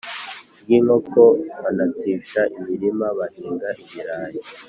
bw’inkoko banatisha imirima bahinga ibirayi.